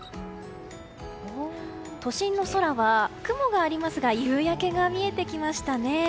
都心の空は、雲がありますが夕焼けが見えてきましたね。